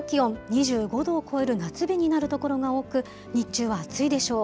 ２５度を超える夏日になる所が多く、日中は暑いでしょう。